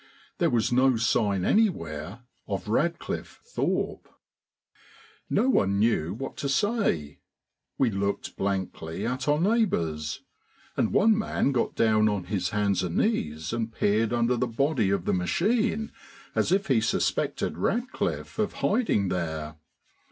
There was no sign anywhere of Radcliffe Thorpe! No one knew what to say; we looked blankly at our neighbours, and one man got down on his hands and knees and peered under the body of the machine as if he suspected Radcliffe of hiding there.